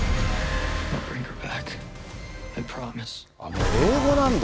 もう英語なんだ。